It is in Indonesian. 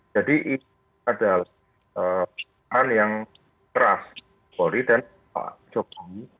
jadi ini adalah peran yang keras polri dan jokowi